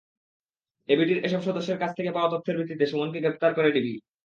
এবিটির এসব সদস্যের কাছ থেকে পাওয়া তথ্যের ভিত্তিতে সুমনকে গ্রেপ্তার করে ডিবি।